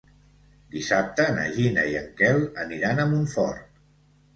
Dissabte na Gina i en Quel aniran a Montfort.